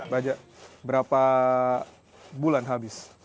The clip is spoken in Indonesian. bajak berapa bulan habis